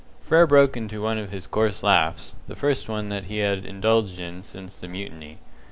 Frere broke into one of his coarse laughs, the first one that he had indulged in since the mutiny.